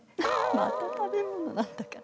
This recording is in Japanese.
また食べ物なんだから。